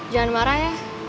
jangan marah ya